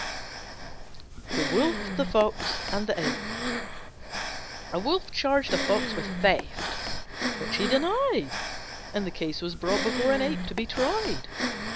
THE WOLF, THE FOX, AND THE APE A Wolf charged a Fox with theft, which he denied, and the case was brought before an Ape to be tried.